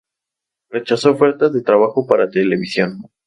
Rechazó ofertas de trabajo para televisión.